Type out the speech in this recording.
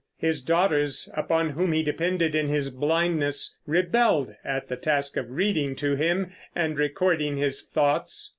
His daughters, upon whom he depended in his blindness, rebelled at the task of reading to him and recording his thoughts.